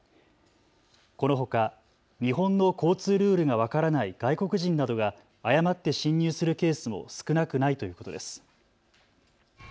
このほか日本の交通ルールが分からない外国人などが誤って進入するケースも少なくないということです。